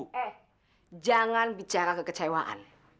eh jangan bicara kekecewaan